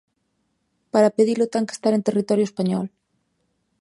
Para pedilo ten que estar en territorio español.